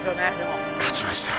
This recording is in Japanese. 勝ちました。